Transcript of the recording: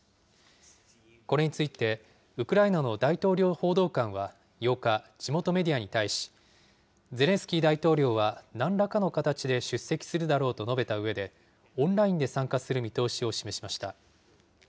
これについて、ウクライナの大統領報道官は８日、地元メディアに対し、ゼレンスキー大統領はなんらかの形で出席するだろうと述べたうえで、オンラインで参加する見通しを示しました。